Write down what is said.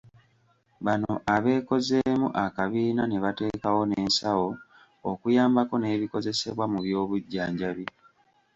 Bano abeekozeemu akabiina ne bateekawo n'ensawo okuyambako n'ebikozesebwa mu by'obujjanjabi.